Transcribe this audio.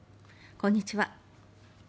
こんにちは。